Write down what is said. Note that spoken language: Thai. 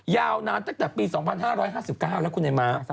ยาวนานตั้งแต่ปี๒๕๕๙แล้วคุณไอ้ม้า